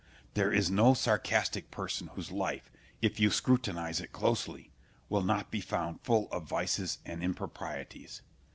There is no sarcastic person whose life, if you scrutinise it closely, will not be found full of vices and improprieties.